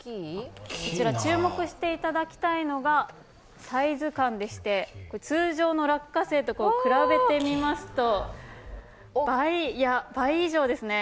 こちら注目していただきたいのがサイズ感でして、通常の落花生と比べてみますと、倍以上ですね。